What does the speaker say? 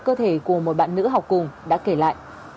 cơ thể của một bạn nữ học cùng đã kể lại